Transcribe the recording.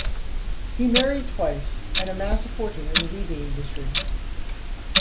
He married twice and amassed a fortune in the weaving industry.